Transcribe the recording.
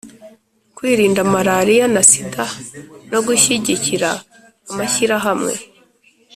kwirinda malaria na sida no gushyigikira amashyirahamwe